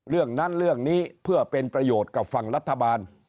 เรื่องนั้นเรื่องนี้เพื่อเป็นประโยชน์กับฝั่งรัฐบาล